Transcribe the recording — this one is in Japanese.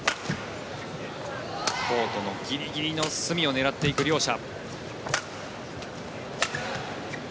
コートのギリギリの隅を狙っていく両者。